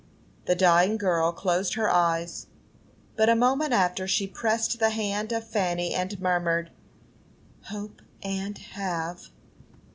The dying girl closed her eyes. But a moment after she pressed the hand of Fanny, and murmured, "HOPE AND HAVE."